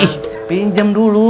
ih pinjam dulu